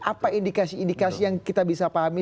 apa indikasi indikasi yang kita bisa pahami